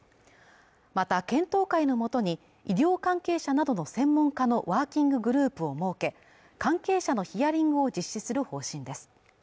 また検討会のもとに医療関係者などの専門家のワーキンググループを設け関係者のヒアリングを実施する方針です